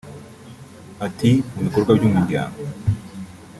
Ati “ Mu bikorwa by’umuryango